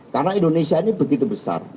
karena indonesia ini begitu besar